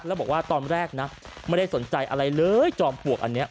แล้วบอกว่าตอนแรกนะไม่ได้สนใจอะไรเลยจอมปลวกอันนี้